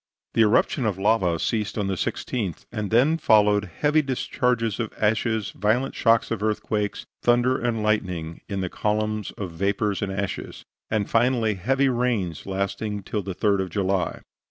The eruption of lava ceased on the 16th, and then followed heavy discharges of ashes, violent shocks of earthquakes, thunder and lightning in the columns of vapors and ashes, and finally heavy rains, lasting till the 3d of July.